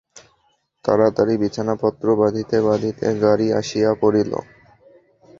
তাড়াতাড়ি বিছানাপত্র বাঁধিতে বাঁধিতে গাড়ি আসিয়া পড়িল।